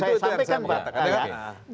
nah ini yang mau saya sampaikan